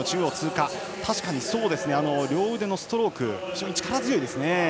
確かに両腕のストローク非常に力強いですね。